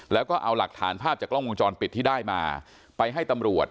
แล้วก็เอาหลักฐานภาพจากกล้องวงจรปิดที่ได้มาไปให้ตำรวจ